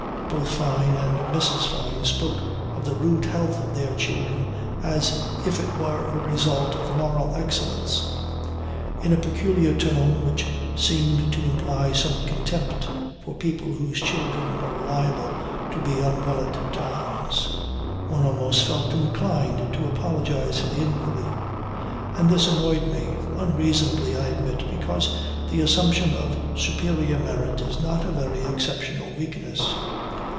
Both Fyne and Mrs. Fyne spoke of the rude health of their children as if it were a result of moral excellence; in a peculiar tone which seemed to imply some contempt for people whose children were liable to be unwell at times. One almost felt inclined to apologize for the inquiry. And this annoyed me; unreasonably, I admit, because the assumption of superior merit is not a very exceptional weakness.